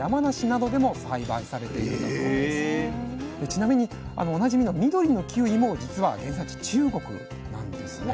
ちなみにおなじみの緑のキウイもじつは原産地中国なんですね。